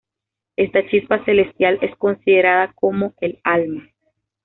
Esta chispa celestial es considerada como el alma.